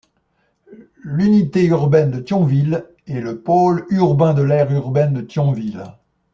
L'unité urbaine de Thionville est le pôle urbain de l'aire urbaine de Thionville.